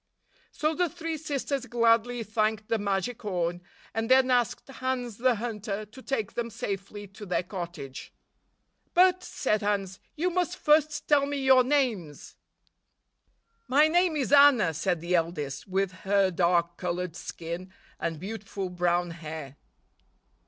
So the three sisters gladly thanked the magic horn, and then asked Hans the Hunter to take them safely to their cottage. "But," said Hans, "you must first tell me your names." "My name is Anna," said the eldest, with her dark colored skin and beautiful brown hair.